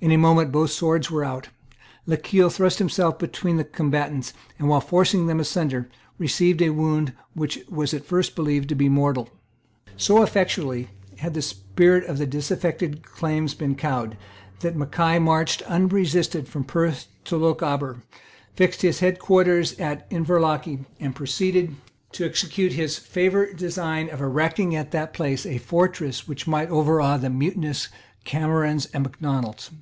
In a moment both swords were out. Lochiel thrust himself between the combatants, and, while forcing them asunder, received a wound which was at first believed to be mortal, So effectually had the spirit of the disaffected clans been cowed that Mackay marched unresisted from Perth into Lochaber, fixed his head quarters at Inverlochy, and proceeded to execute his favourite design of erecting at that place a fortress which might overawe the mutinous Camerons and Macdonalds.